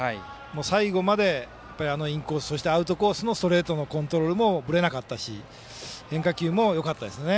最後までインコース、そしてアウトコースのストレートのコントロールもぶれなかったし変化球もよかったですね。